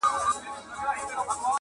په خوښۍ مستي یې ورځي تېرولې.!